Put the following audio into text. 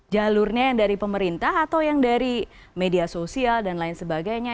jalurnya yang dari pemerintah atau yang dari media sosial dan lain sebagainya